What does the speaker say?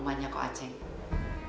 rumahnya kok acing